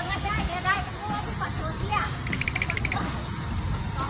มันกลับมาช่วยพี่อะ